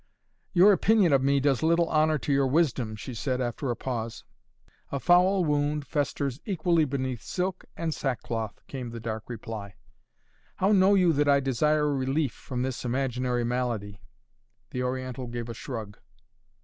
"Your opinion of me does little honor to your wisdom," she said after a pause. "A foul wound festers equally beneath silk and sack cloth," came the dark reply. "How know you that I desire relief from this imaginary malady?" The Oriental gave a shrug.